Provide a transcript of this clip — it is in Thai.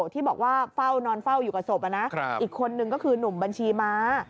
ที่บอกว่าเฝ้านอนเฝ้าอยู่กับศพอีกคนนึงก็คือหนุ่มบัญชีม้า